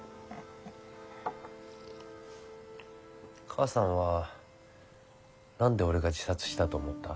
母さんは何で俺が自殺したと思った？